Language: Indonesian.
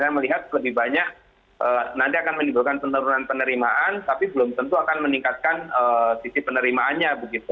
saya melihat lebih banyak nanti akan menimbulkan penurunan penerimaan tapi belum tentu akan meningkatkan sisi penerimaannya begitu